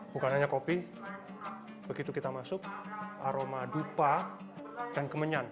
bukan hanya kopi begitu kita masuk aroma dupa dan kemenyan